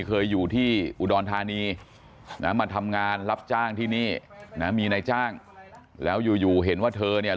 เคยอยู่ที่อุดรธานีนะมาทำงานรับจ้างที่นี่นะมีนายจ้างแล้วอยู่อยู่เห็นว่าเธอเนี่ย